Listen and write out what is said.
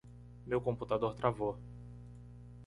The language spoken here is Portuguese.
Meu computador travou.